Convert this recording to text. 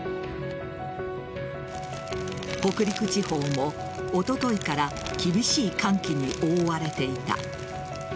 北陸地方もおとといから厳しい寒気に覆われていた。